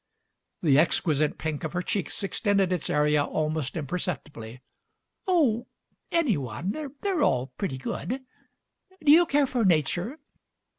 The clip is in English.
The exquisite pink of her cheeks extended its area almost imperceptibly. "Oh, any one. They're all "pretty good. Do you care for Nature?"